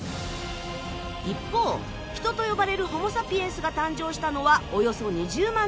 一方人と呼ばれるホモサピエンスが誕生したのはおよそ２０万年前。